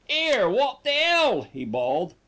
"'Ere! wot the 'ell?" he bawled.